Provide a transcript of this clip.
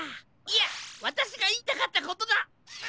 いやわたしがいいたかったことだ！